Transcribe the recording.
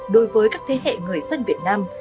đối với các thế hệ người dân việt nam